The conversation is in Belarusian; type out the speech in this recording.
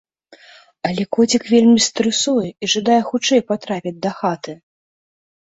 Але коцік вельмі стрэсуе і жадае хутчэй патрапіць дахаты!